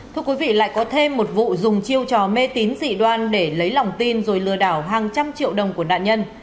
thưa quý vị lại có thêm một vụ dùng chiêu trò mê tín dị đoan để lấy lòng tin rồi lừa đảo hàng trăm triệu đồng của nạn nhân